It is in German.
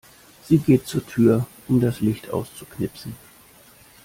Sie geht zur Tür, um das Licht auszuknipsen.